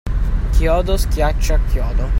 Chiodo scaccia chiodo.